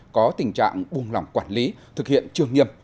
có tình trạng buông lỏng quản lý thực hiện trường nghiêm